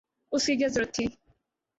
اس کی کیا ضرورت تھی؟